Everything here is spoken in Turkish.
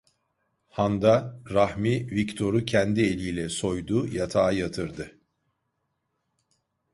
Handa, Rahmi Viktor'u kendi eliyle soydu, yatağa yatırdı…